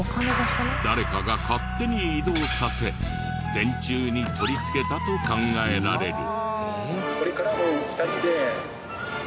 誰かが勝手に移動させ電柱に取り付けたと考えられる。